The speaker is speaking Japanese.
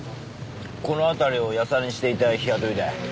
この辺りをヤサにしていた日雇いだ。